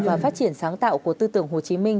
và phát triển sáng tạo của tư tưởng hồ chí minh